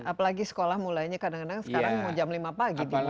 apalagi sekolah mulainya kadang kadang sekarang mau jam lima pagi di rumah